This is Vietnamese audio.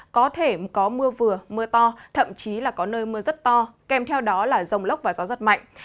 có thể có mưa vừa mưa to thậm chí là có nơi mưa rất to kèm theo đó là rông lốc và gió giật mạnh